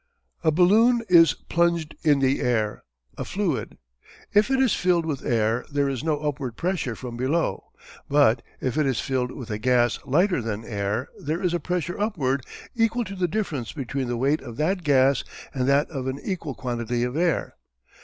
A balloon is plunged in the air a fluid. If it is filled with air there is no upward pressure from below, but if it is filled with a gas lighter than air there is a pressure upward equal to the difference between the weight of that gas and that of an equal quantity of air.